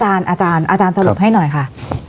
อาจารย์สรุปให้หน่อยค่ะ